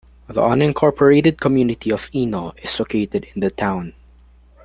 The unincorporated community of Ino is located in the town.